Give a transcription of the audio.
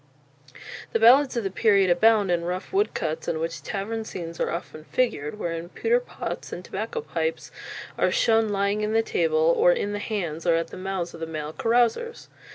The ballads of the period abound in rough woodcuts in which tavern scenes are often figured, wherein pewter pots and tobacco pipes are shown lying on the table or in the hands or at the mouths of the male carousers.